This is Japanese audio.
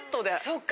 そっか。